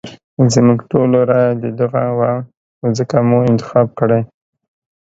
زموږ ټولو رايه ددغه وه نو ځکه مو انتخاب کړی.